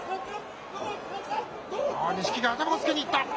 錦木、頭をつけにいった。